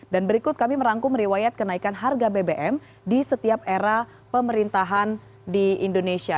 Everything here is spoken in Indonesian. dan berikut kami merangkum riwayat kenaikan harga bbm di setiap era pemerintahan di indonesia